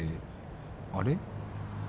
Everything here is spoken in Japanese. あれ？